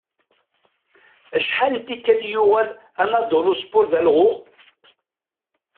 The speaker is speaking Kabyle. Acḥal n tikal i yuɣal Anadoluspor d alɣuɣ?